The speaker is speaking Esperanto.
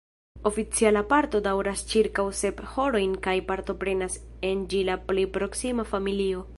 Oficiala parto daŭras ĉirkaŭ sep horojn kaj partoprenas en ĝi la plej proksima familio.